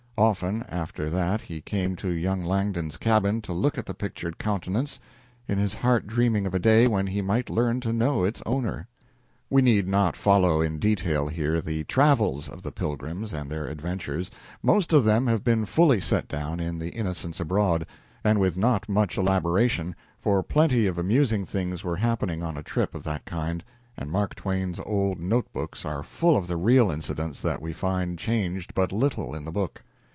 Often after that he came to young Langdon's cabin to look at the pictured countenance, in his heart dreaming of a day when he might learn to know its owner. We need not follow in detail here the travels of the "pilgrims" and their adventures. Most of them have been fully set down in "The Innocents Abroad," and with not much elaboration, for plenty of amusing things were happening on a trip of that kind, and Mark Twain's old note books are full of the real incidents that we find changed but little in the book.